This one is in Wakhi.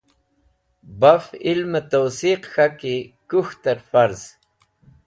Baf ilmẽ tawsiq k̃haki kũk̃htẽr farz.